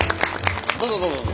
どうぞどうぞどうぞ。